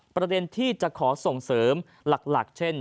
ประเด็นที่จะขอส่งเสริมหลักเช่น